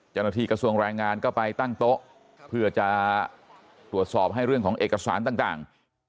กระทรวงแรงงานก็ไปตั้งโต๊ะเพื่อจะตรวจสอบให้เรื่องของเอกสารต่าง